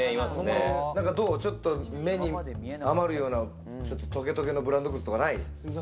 ちょっと目に余るようなトゲトゲのブランド物とかない？